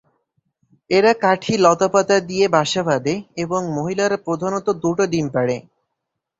এরা কাঠি, লতা পাতা দিয়ে বাসা বাঁধে এবং মহিলারা প্রধানত দুটো ডিম পারে।